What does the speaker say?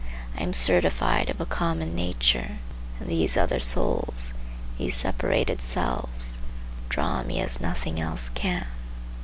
I am certified of a common nature; and these other souls, these separated selves, draw me as nothing else can.